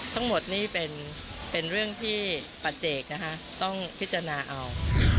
ทั้งหมดนี่เป็นเรื่องที่ปัจเจกนะคะต้องพิจารณาเอา